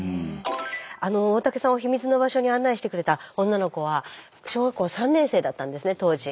大竹さんを秘密の場所に案内してくれた女の子は小学校３年生だったんですね当時。